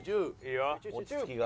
落ち着きが。